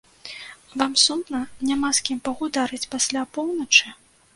Вам сумна, няма з кім пагутарыць пасля поўначы?